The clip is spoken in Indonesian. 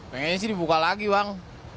pengennya sih dibuka lagi bang